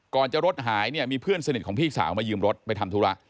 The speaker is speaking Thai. ก่อนจะรถหายเนี่ยมีเพื่อนสนิทของพี่สาวมายืมรถไปทำธุระ